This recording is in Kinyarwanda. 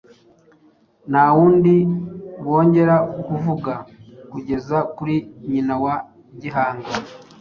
Nta wundi bongera kuvuga, kugeza kuri Nyina wa Gihanga.